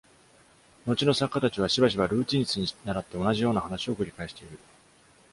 後の作家たちは、しばしばルーティンスに倣って、同じような話を繰り返している。